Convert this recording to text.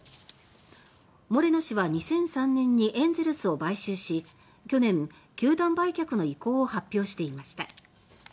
モレノ氏は２００３年にエンゼルスを買収し去年、球団売却の意向を発表していました。